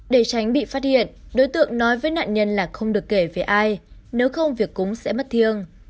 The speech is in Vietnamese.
để tránh bị phát hiện đối tượng nói với nạn nhân là không được kể về ai nếu không việc cúng sẽ mất thiêng